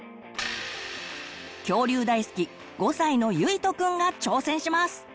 恐竜大好き５歳のゆいとくんが挑戦します！